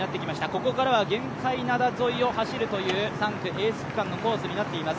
ここからは玄界灘沿いを走るという３区、エース区間のコースになっています。